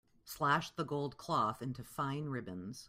Slash the gold cloth into fine ribbons.